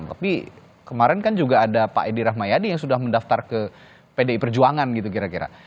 tapi kemarin kan juga ada pak edi rahmayadi yang sudah mendaftar ke pdi perjuangan gitu kira kira